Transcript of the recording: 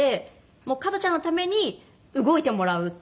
もう加トちゃんのために動いてもらう。